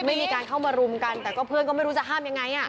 ไม่มีการเข้ามารุมกันแต่ก็เพื่อนก็ไม่รู้จะห้ามยังไง